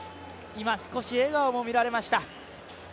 今少し笑顔も見られました。